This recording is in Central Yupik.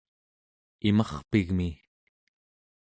imarpigmi